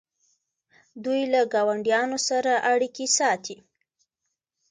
دوی له ګاونډیانو سره اړیکې ساتي.